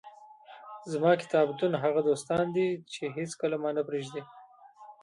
زما کتابونه هغه دوستان دي، چي هيڅکله مانه پرېږي.